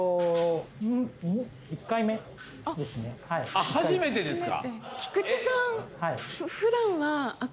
あ初めてですか。